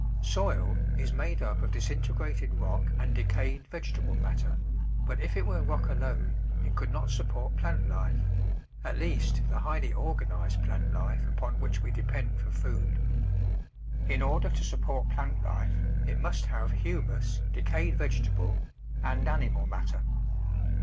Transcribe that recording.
Soil is made up of disintegrated rock and decayed vegetable matter, but if it were rock alone it could not sup port plant life, at least the highly organised plant life upon which we depend for food. In order to support plant life it must have humus, decayed vegetable, and animal matter.